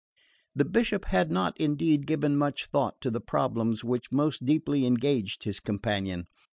The Bishop had not, indeed, given much thought to the problems which most deeply engaged his companion.